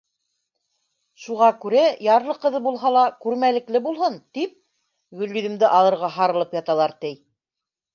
Шуға күрә ярлы ҡыҙы булһа ла, күрмәлекле булһын тип, Гөлйөҙөмдө алырға һарылып яталар, ти.